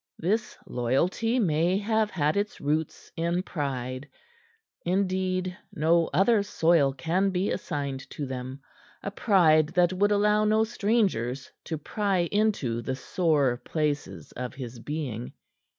This loyalty may have had its roots in pride indeed, no other soil can be assigned to them a pride that would allow no strangers to pry into the sore places of his being.